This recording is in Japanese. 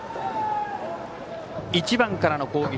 １番からの攻撃。